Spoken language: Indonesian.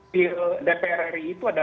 di dpr ri itu ada delapan puluh